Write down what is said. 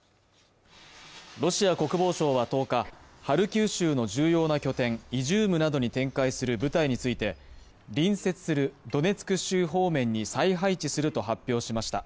ロシア国防省は１０日、ハルキウ州の重要な拠点、イジュームなどに展開する部隊について隣接するドネツク州方面に再配置すると発表しました。